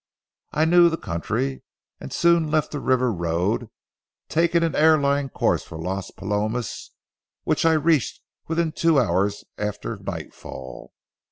I knew the country, and soon left the river road, taking an air line course for Las Palomas, which I reached within two hours after nightfall.